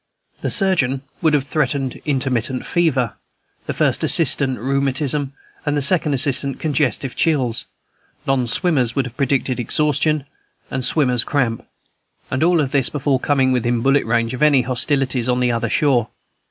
The surgeon would have threatened intermittent fever, the first assistant rheumatism, and the second assistant congestive chills; non swimmers would have predicted exhaustion, and swimmers cramp; and all this before coming within bullet range of any hospitalities on the other shore.